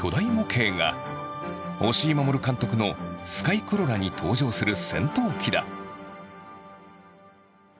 押井守監督の「スカイ・クロラ」に登場する戦闘機だ。